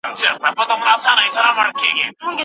شننه نده شوې.